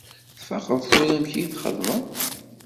Tfaqeḍ tura amek ad txedmeḍ?